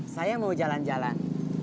saya mau jalan jalan